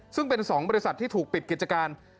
ซึ่งเป็น๒บริษัทที่ถูกปิดกิจการ